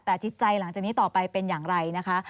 แต่จิตใจหลังจากนี้ต่อไปเป็นอย่างไรนะคะ